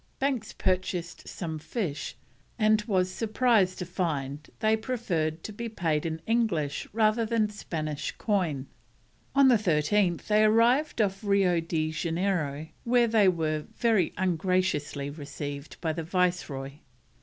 Banks purchased some fish, and was surprised to find they preferred to be paid in English rather than Spanish coin. On the 13th they arrived off Rio de Janeiro, where they were very ungraciously received by the Viceroy.